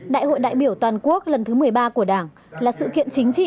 đại hội đại biểu toàn quốc lần thứ một mươi ba của đảng là sự kiện chính trị